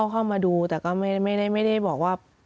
เข้ามาดูแต่ก็ไม่ได้บอกว่า